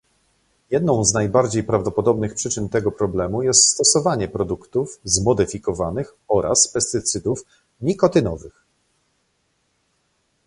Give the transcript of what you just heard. Jedną z najbardziej prawdopodobnych przyczyn tego problemu jest stosowanie produktów zmodyfikowanych oraz pestycydów nikotynowych